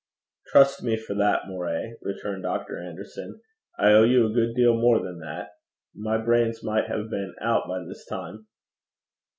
'Trust me for that, Moray,' returned Dr. Anderson. 'I owe you a good deal more than that. My brains might have been out by this time.'